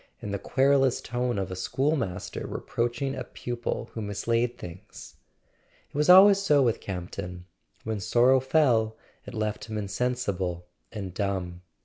in the querulous tone of a schoolmaster re¬ proaching a pupil who mislaid things? It was always so with Campton: when sorrow fell it left him insensible and dumb.